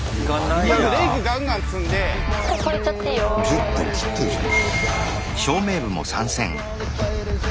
１０分切ってるじゃん。